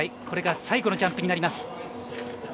これが最後のジャンプになります。